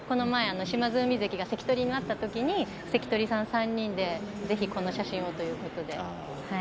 島津海関が関取さんになったときに関取３人でぜひ写真をということで。